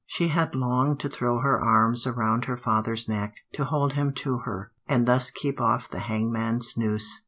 She had longed to throw her arms around her father's neck, to hold him to her, and thus keep off the hangman's noose.